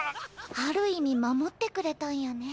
ある意味守ってくれたんやね。